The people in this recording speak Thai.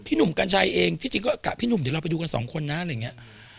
หนุ่มกัญชัยเองที่จริงก็กะพี่หนุ่มเดี๋ยวเราไปดูกันสองคนนะอะไรอย่างนี้